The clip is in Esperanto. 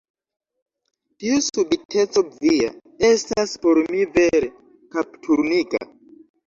Tiu subiteco via estas por mi vere kapturniga.